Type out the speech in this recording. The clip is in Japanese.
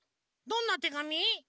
どんなてがみ？